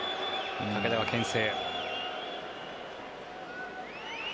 武田はけん制。